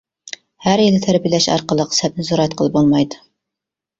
ھەر يىلى تەربىيەلەش ئارقىلىق سەپنى زورايتقىلى بولمايدۇ.